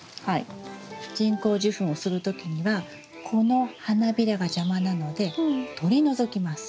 人工授粉をする時にはこの花びらが邪魔なので取り除きます。